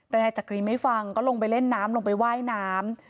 แต่นายจักรีไม่ฟังก็ลงไปเล่นน้ำลงไปว่ายน้ำ